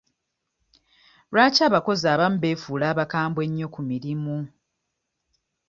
Lwaki abakozi abamu beefuula abakambwe ennyo ku mirimu?